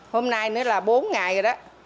hôm nay nữa là bốn ngày rồi đó